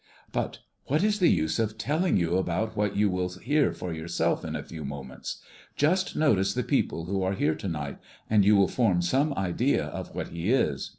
"But what is the use of telling you about what you will hear for yourself in a few moments? Just notice the people who are here to night, and you will form some idea of what he is.